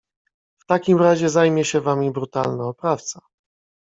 W takim razie zajmie się wami brutalny oprawca.